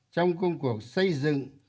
trong công cuộc xây dựng